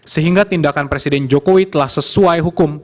sehingga tindakan presiden jokowi telah sesuai hukum